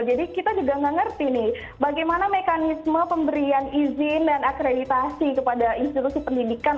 jadi kita juga nggak ngerti nih bagaimana mekanisme pemberian izin dan akreditasi kepada institusi pendidikan